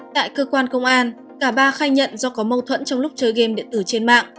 tại cơ quan công an cả ba khai nhận do có mâu thuẫn trong lúc chơi game điện tử trên mạng